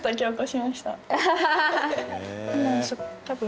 今多分。